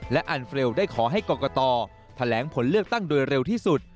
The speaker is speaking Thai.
และอันเฟรลได้ขอให้กรกตแถลงผลเลือกตั้งโดยเร็วที่สุด